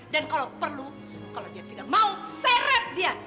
dan kalau perlu kalau dia tidak mau seret dia